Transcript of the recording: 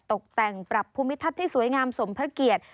ตกแต่งปรับภูมิทัศน์ที่สวยงามสมพระเกียรติ